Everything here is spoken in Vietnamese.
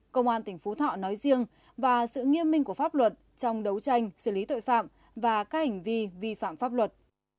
công an tỉnh phú thọ nói riêng và sự nghiêm minh của pháp luật trong đấu tranh xử lý tội phạm và các hành vi vi phạm pháp luật